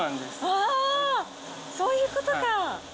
わー、そういうことか。